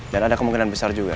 dan ada kemungkinan besar juga